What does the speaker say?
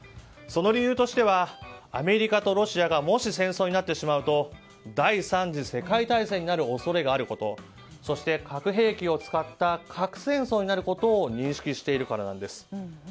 その理由としてはアメリカとロシアがもし戦争になってしまうと第３次世界大戦になる恐れがあることそして、核兵器を使った核戦争になることを認識しているからなんです。